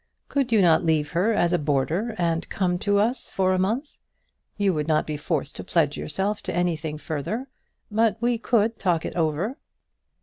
Could you not leave her as a boarder, and come to us for a month? You would not be forced to pledge yourself to anything further; but we could talk it over."